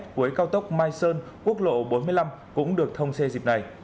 cuối cao tốc mai sơn quốc lộ bốn mươi năm cũng được thông xe dịp này